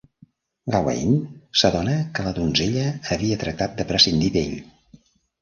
Gawain s'adona que la donzella havia tractat de prescindir d'ell.